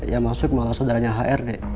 ya maksud malah saudaranya hrd